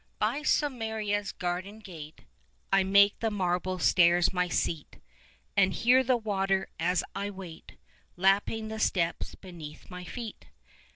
By Somariva's garden gate I make the marble stairs my seat, And hear the water, as I wait, 15 Lapping the steps beneath my feet.